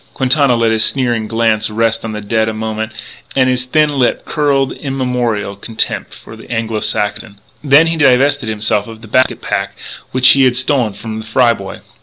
Quintana let his sneering glance rest on the dead a moment, and his thin lip curled immemorial contempt for the Anglo Saxon. Then he divested himself of the basket pack which he had stolen from the Fry boy.